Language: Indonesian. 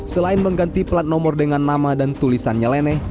selain mengganti plat nomor dengan nama dan tulisannya leneh